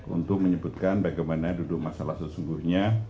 untuk menyebutkan bagaimana duduk masalah sesungguhnya